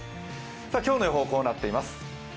今日の予報、こうなっています。